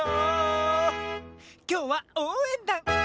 きょうはおうえんだん！